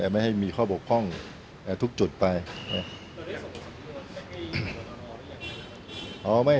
ไม่ให้มีข้อบกพร่องทุกจุดไป